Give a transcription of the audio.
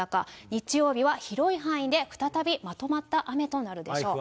日曜日は広い範囲で再びまとまった雨となるでしょう。